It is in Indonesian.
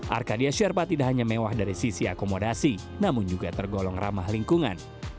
arcadia sherpa tidak hanya mewah dari sisi akomodasi namun juga tergolong ramah lingkungan